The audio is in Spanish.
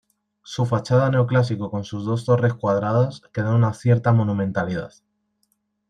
Su fachada neoclásico con sus dos torres cuadradas que dan una cierta monumentalidad.